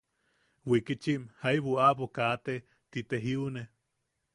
Wikichim jaibu aʼabo kaate ti te jiune.